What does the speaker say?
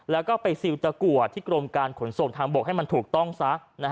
แล้วก็ไปซิลตะกัวที่กรมการขนส่งทางบกให้มันถูกต้องซะ